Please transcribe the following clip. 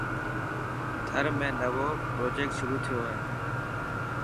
ٿر ۾ نوو پروجيڪٽ شروع ٿيو هي.